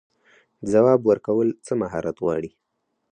ځواب ورکول څه مهارت غواړي؟